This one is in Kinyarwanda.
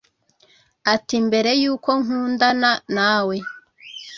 ati “Mbere yuko nkundana nawe